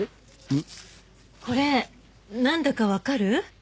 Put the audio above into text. これなんだかわかる？